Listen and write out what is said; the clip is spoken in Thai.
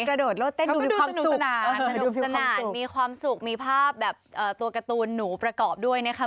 กระโดดรถเต้นดูความสนุกมีความสุขมีภาพแบบตัวการ์ตูนหนูประกอบด้วยนะครับ